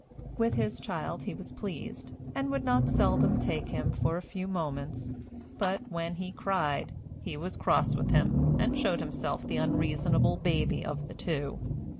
With his child he was pleased, and would not seldom take him for a few moments; but, when he cried, he was cross with him, and showed himself the unreasonable baby of the two.